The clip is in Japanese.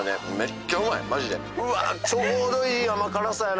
ちょうどいい甘辛さやな